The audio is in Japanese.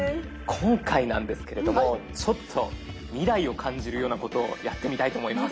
今回なんですけれどもちょっと未来を感じるようなことをやってみたいと思います。